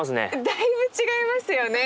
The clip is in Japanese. だいぶ違いますよね。